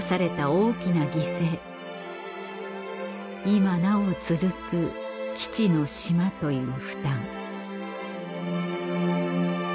今なお続く基地の島という負担